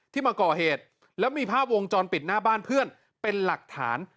มาก่อเหตุแล้วมีภาพวงจรปิดหน้าบ้านเพื่อนเป็นหลักฐาน